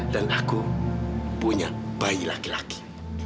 dan aku punya bayi laki laki